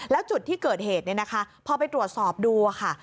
แล้วจุดที่เกิดเหตุพอไปตรวจสอบดูค่ะ